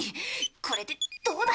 これでどうだ！